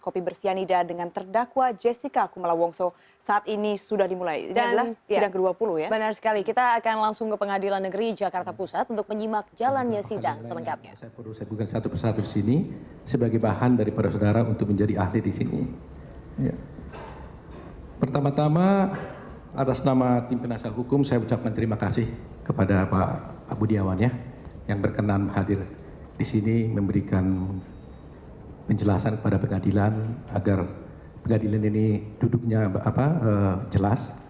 pertama tama atas nama tim penasar hukum saya ucapkan terima kasih kepada pak budiawan ya yang berkenan hadir di sini memberikan penjelasan kepada pengadilan agar pengadilan ini duduknya jelas